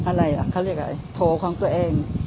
อะไรล่ะเขาเรียกอะไรโถของตัวเอง